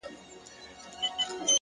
• راباندي گرانه خو يې ـ